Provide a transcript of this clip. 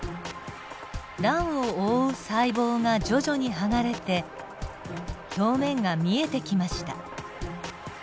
卵を覆う細胞が徐々に剥がれて表面が見えてきました。